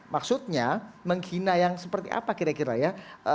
maksudnya menghina yang seperti apa kira kira ya